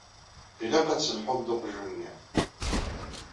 Ilaq ad d-telhuḍ d uqjun-nni.